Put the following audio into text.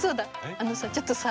あのさちょっとさ